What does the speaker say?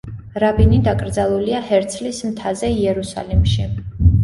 რაბინი დაკრძალულია ჰერცლის მთაზე იერუსალიმში.